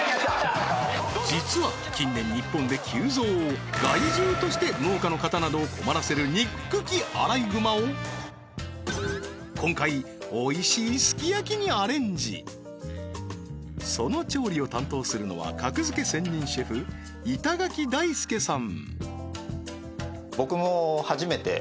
実は近年日本で急増害獣として農家の方などを困らせる憎きアライグマを今回おいしいすき焼きにアレンジその調理を担当するのは格付け専任シェフ板垣大佑さん